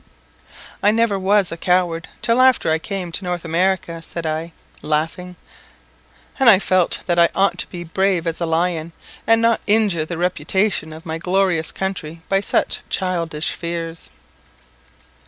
"I never was a coward till after I came to North America," said I, laughing; and I felt that I ought to be as brave as a lion, and not injure the reputation of my glorious country by such childish fears.